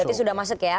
ya sudah masuk